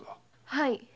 はい。